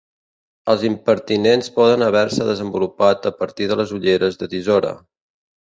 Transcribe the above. Els impertinents poden haver-se desenvolupat a partir de les ulleres de tisora.